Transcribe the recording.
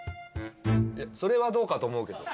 いやそれはどうかと思うけど。